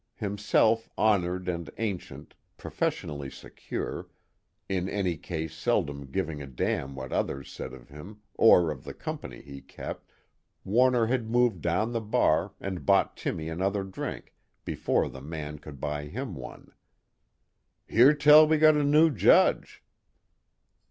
Himself honored and ancient, professionally secure, in any case seldom giving a damn what others said of him or of the company he kept, Warner had moved down the bar and bought Timmy another drink before The Man could buy him one. "Hear tell we got a new judge."